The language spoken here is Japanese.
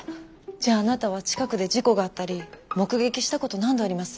じゃああなたは近くで事故があったり目撃したこと何度あります？